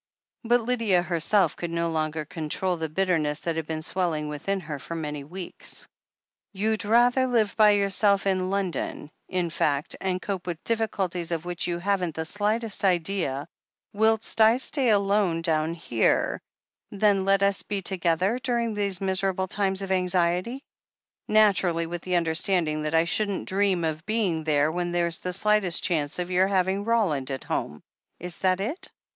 But Lydia herself could no longer control the bitter ness that had been swelling within her for many weeks. "You'd rather live by yourself in London, in fact, and cope with difficulties of which you haven't the slightest idea, whilst I stay alone down here, than let us be together during these miserable times of anxiety — ^naturally with the understanding that I shouldn't dream of being there when there's the slightest chance of your having Roland at home. Is that it?"